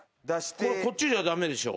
これこっちじゃ駄目でしょ？